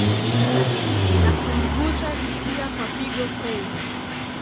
Na kumgusa hisia kwa pigo kuu.